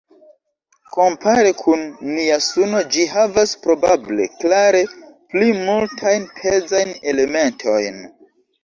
Kompare kun nia Suno ĝi havas probable klare pli multajn pezajn elementojn.